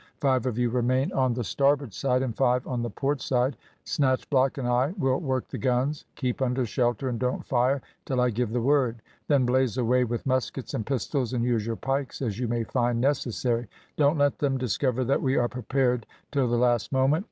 Five of you remain on the starboard side, and five on the port side. Snatchblock and I will work the guns. Keep under shelter, and don't fire till I give the word; then blaze away with muskets and pistols, and use your pikes as you may find necessary. Don't let them discover that we are prepared till the last moment.